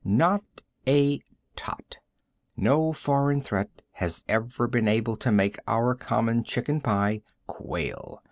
Not a tot. No foreign threat has ever been able to make our common chicken pie quail.